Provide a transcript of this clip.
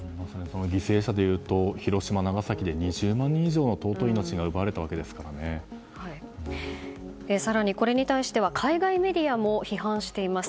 犠牲者でいうと広島、長崎で２０万人以上の更にこれに対しては海外メディアも批判しています。